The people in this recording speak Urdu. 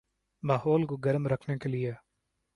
ماحول کو گرم رکھنے کے لئے